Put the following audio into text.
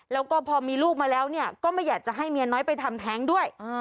แล้วก็พอมีลูกมาแล้วก็ไม่อยากจะให้เมียน้อยไปทำแท้งด้วย